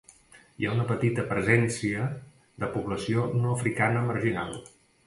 Hi ha una petita presència de població no africana marginal.